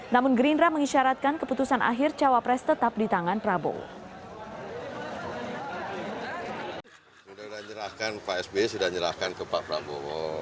namun gerindra mengisyaratkan keputusan akhir cawapres tetap di tangan prabowo